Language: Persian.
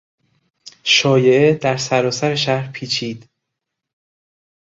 شایعه در سراسر شهر پیچید.